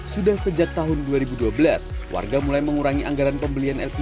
sudah sejak tahun dua ribu dua belas warga mulai mengurangi anggaran pembelian lpg